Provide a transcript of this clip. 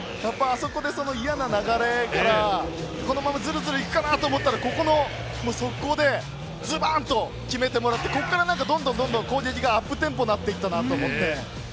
嫌な流れから、このままずるずるいくかなと思ったら、速攻でずばんと決めてもらって、ここからどんどんと攻撃がアップテンポになっていったなと思って。